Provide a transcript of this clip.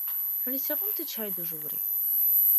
ХӀуни сегъунти чай дужулри?